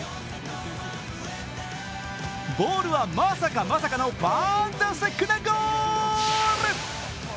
ボールはまさかまさかのファンタスティックなゴール！